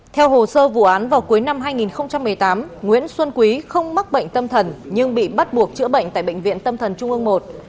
theo hồ sơ vụ án vào cuối năm hai nghìn một mươi tám nguyễn xuân quý không mắc bệnh tâm thần nhưng bị bắt buộc chữa bệnh tại bệnh viện tâm thần trung ương i